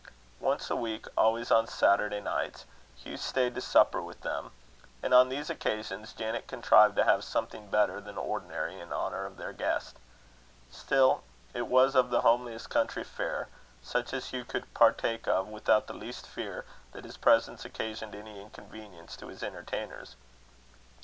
Once a week, always on Saturday nights, Hugh stayed to supper with them: and on these occasions, Janet contrived to have something better than ordinary in honour of their guest. Still it was of the homeliest country fare, such as Hugh could partake of without the least fear that his presence occasioned any inconvenience to his entertainers.